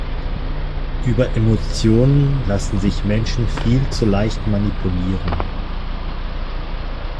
Über Emotionen lassen sich Menschen viel zu leicht manipulieren.